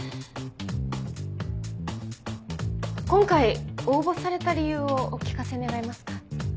今回応募された理由をお聞かせ願えますか？